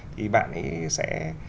thì bạn ấy sẽ